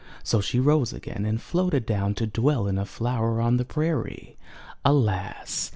So she rose again and floated down to dwell in a flower on the prairie. Alas!